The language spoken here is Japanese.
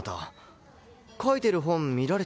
描いてる本見られたとか？